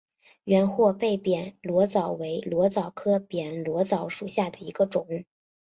圆货贝扁裸藻为裸藻科扁裸藻属下的一个种。